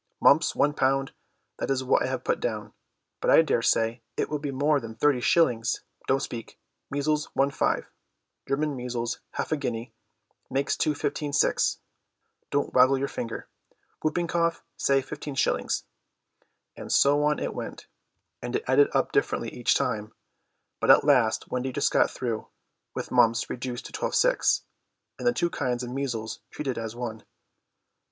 "Mumps one pound, that is what I have put down, but I daresay it will be more like thirty shillings—don't speak—measles one five, German measles half a guinea, makes two fifteen six—don't waggle your finger—whooping cough, say fifteen shillings"—and so on it went, and it added up differently each time; but at last Wendy just got through, with mumps reduced to twelve six, and the two kinds of measles treated as one.